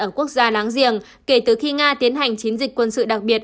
ở quốc gia láng giềng kể từ khi nga tiến hành chiến dịch quân sự đặc biệt